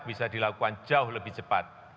bisa dilakukan jauh lebih cepat